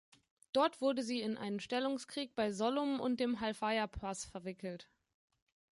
Dort wurde sie in einen Stellungskrieg bei Sollum und dem Halfaya-Pass verwickelt.